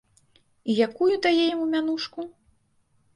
І якую дае яму мянушку?